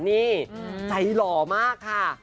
นี่ใจหล่อมากค่ะ